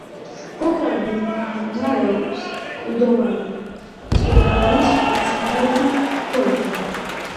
სახელი მომდინარეობს კლდოვანი მწვერვალის უცნაური ფორმიდან.